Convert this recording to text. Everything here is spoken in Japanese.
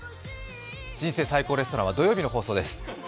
「人生最高レストラン」は土曜日の放送です。